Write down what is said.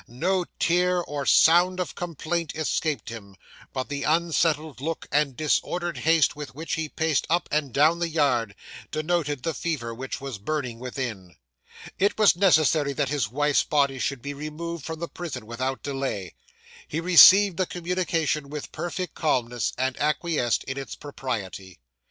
No tear, or sound of complaint escaped him; but the unsettled look, and disordered haste with which he paced up and down the yard, denoted the fever which was burning within. 'It was necessary that his wife's body should be removed from the prison, without delay. He received the communication with perfect calmness, and acquiesced in its propriety.